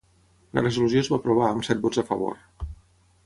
La resolució es va aprovar amb set vots a favor.